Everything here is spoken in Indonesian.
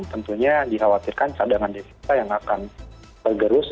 tentunya dikhawatirkan cadangan defensa yang akan bergerus